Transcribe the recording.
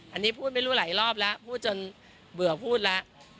อันนี้พูดไม่รู้หลายรอบแล้วพูดจนเบื่อพูดแล้ว